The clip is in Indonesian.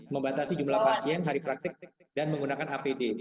membatasi jumlah pasien hari praktik dan menggunakan apd